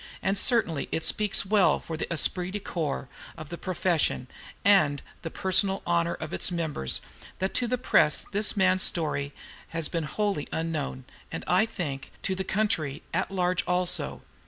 And certainly it speaks well for the esprit de corps of the profession, and the personal honor of its members, that to the press this man's story has been wholly unknown, and, I think, to the country at large also.